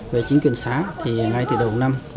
về chính quyền xã thì ngay từ đầu năm